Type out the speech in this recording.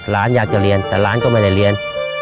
ร้านอยากจะเรียนแต่ร้านก็ไม่ได้เรียน